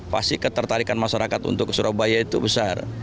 pasti ketertarikan masyarakat untuk ke surabaya itu besar